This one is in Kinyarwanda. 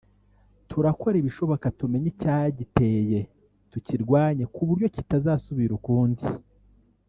turakora ibishoboka tumenye icyagiteye tukirwanye kuburyo kitazasubira ukundi